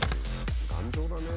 頑丈だね。